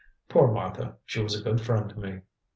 "Poor Martha! she was a good friend to me.